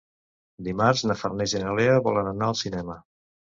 Dimarts na Farners i na Lea volen anar al cinema.